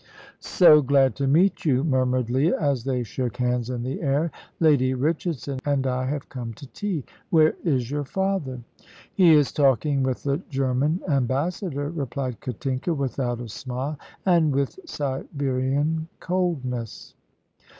"So glad to meet you," murmured Leah, as they shook hands in the air. "Lady Richardson and I have come to tea. Where is your father?" "He is talking with the German ambassador," replied Katinka, without a smile, and with Siberian coldness.